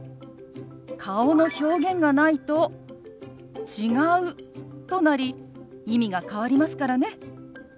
顔の表現がないと「違う」となり意味が変わりますからね。